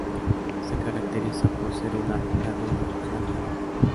Se caracteriza por ser una laguna alargada.